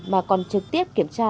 mà còn trực tiếp kiểm tra